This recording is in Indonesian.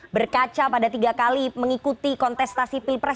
berkaca pada tiga kali mengikuti kontestasi pilpres